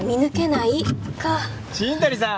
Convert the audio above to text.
新谷さん！